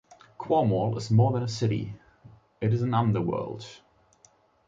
Quarmall is more than a city, it is an underworld.